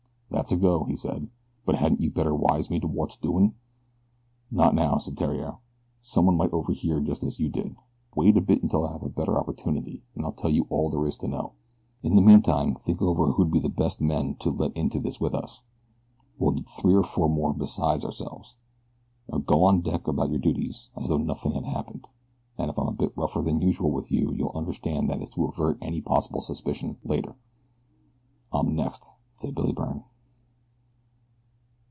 "That's a go," he said; "but hadn't you better wise me to wot's doin'?" "Not now," said Theriere, "someone might overhear just as you did. Wait a bit until I have a better opportunity, and I'll tell you all there is to know. In the meantime think over who'd be the best men to let into this with us we'll need three or four more besides ourselves. Now go on deck about your duties as though nothing had happened, and if I'm a bit rougher than usual with you you'll understand that it's to avert any possible suspicion later." "I'm next," said Billy Byrne.